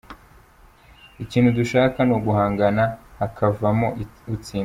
Ikintu dushaka ni uguhangana hakavamo utsinda.